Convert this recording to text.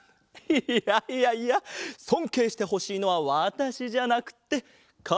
いやいやいやそんけいしてほしいのはわたしじゃなくてかげさ。